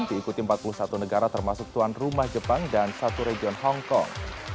diikuti empat puluh satu negara termasuk tuan rumah jepang dan satu region hongkong